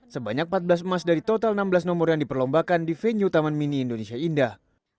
sebanyak empat belas emas dari total enam belas nomor yang diperlombakan di venue taman mini indonesia indah